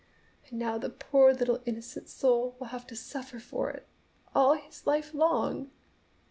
And now the poor little innocent soul will have to suffer for it all his life long!"